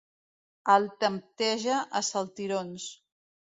El tempteja a saltirons.